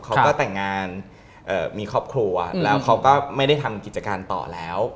เขาก็แต่งงานมีครอบครัวแล้วเขาก็ไม่ได้ทำกิจการต่อแล้ว